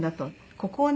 ここをね